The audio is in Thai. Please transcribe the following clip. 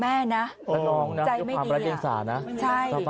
แล้วน้องป่วยเป็นเด็กออทิสติกของโรงเรียนศูนย์การเรียนรู้พอดีจังหวัดเชียงใหม่นะคะ